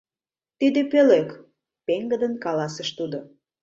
— Тиде пӧлек, пеҥгыдын каласыш тудо.